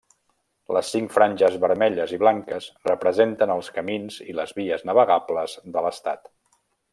Les cinc franges vermelles i blanques representen els camins i les vies navegables de l'estat.